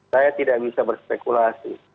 saya tidak bisa berspekulasi